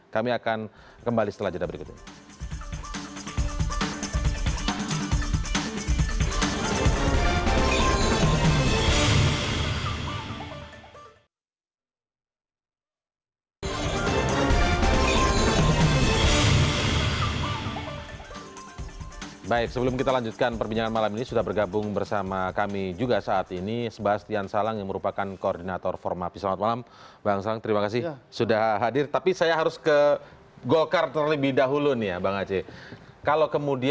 kami akan kembali setelah jadwal berikutnya